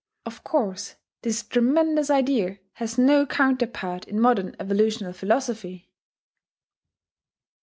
Of course, this tremendous idea has no counterpart in modern evolutional philosophy.